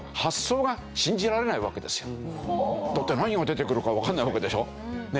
だって何が出てくるかわからないわけでしょ？ねえ。